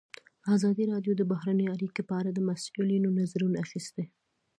ازادي راډیو د بهرنۍ اړیکې په اړه د مسؤلینو نظرونه اخیستي.